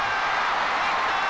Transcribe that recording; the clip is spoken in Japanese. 入った！